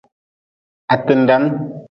Ha tindan.